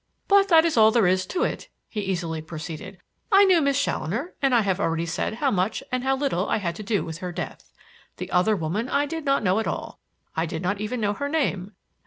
"But that is all there is to it," he easily proceeded. "I knew Miss Challoner and I have already said how much and how little I had to do with her death. The other woman I did not know at all; I did not even know her name.